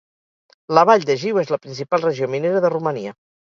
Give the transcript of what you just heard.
La vall de Jiu és la principal regió minera de Romania.